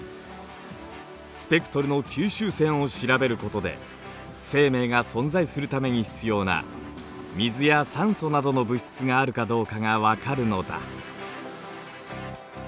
スペクトルの吸収線を調べることで生命が存在するために必要な水や酸素などの物質があるかどうかが分かるのだ。